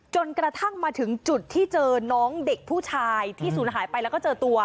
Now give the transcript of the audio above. จนกระทั่งมาถึงจุดที่เจอน้องเด็กผู้ชายที่ศูนย์หายไปแล้วก็เจอตัว